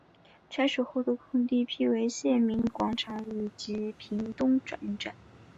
拆除后的空地辟为县民广场及屏东转运站。